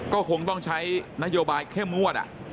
ก็คงต้องใช้นโยบายเข้มงวด